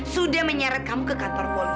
sudah menyarankan kamu ke kantor polis